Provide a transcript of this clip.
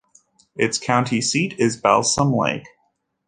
Its county seat is Balsam Lake.